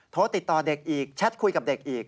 โทรติดต่อเด็กอีกแชทคุยกับเด็กอีก